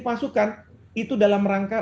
pasukan itu dalam rangka